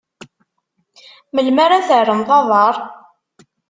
Melmi ara terremt aḍar?